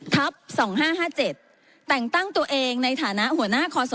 แต่งตั้งตัวเองในฐานะหัวหน้าขศ